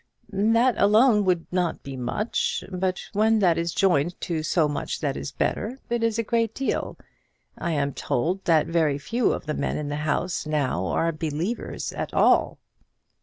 "That alone would not be much; but when that is joined to so much that is better, it is a great deal. I am told that very few of the men in the House now are believers at all."